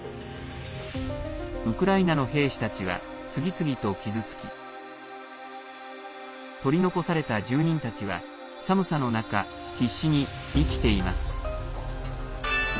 ウクライナの兵士たちは次々と傷つき取り残された住人たちは寒さの中、必死に生きています。